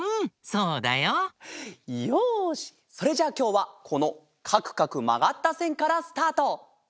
それじゃあきょうはこのかくかくまがったせんからスタート！